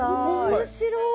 面白い。